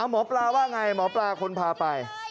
หมอปลาว่าไงหมอปลาคนพาไป